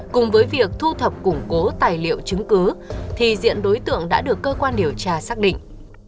cùng với việc thu thập củng cố tài liệu chứng cứ thì diện đối tượng đã được cơ quan điều tra xác định